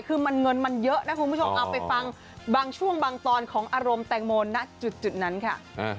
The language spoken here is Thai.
คือเงินมันเยอะนะคุณผู้ชมเอาไปฟังบางช่วงบางตอนของอารมณ์แตงโมณจุดนั้นค่ะ